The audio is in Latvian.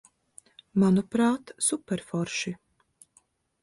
Manuprāt, superforši.